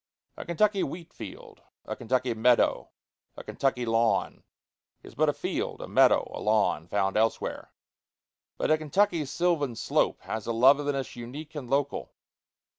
A Kentucky wheat field, a Kentucky meadow, a Kentucky lawn, is but a field, a meadow, a lawn, found elsewhere; but a Kentucky sylvan slope has a loveliness unique and local.